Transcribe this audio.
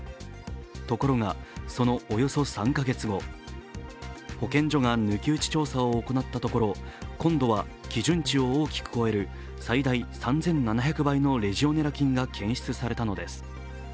ところが、そのおよそ３か月後、保健所が抜き打ち調査を行ったところ今度は基準値を大きく超える最大３７００倍のレジオネラ菌が検出されたのです。